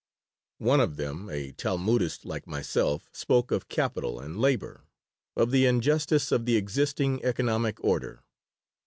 One of them, a Talmudist like myself, spoke of capital and labor, of the injustice of the existing economic order.